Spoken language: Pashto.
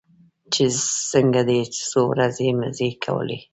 چې څنگه دې څو ورځې مزې کولې.